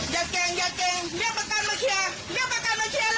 อย่าแก้งเรียกประกันมาเครียร์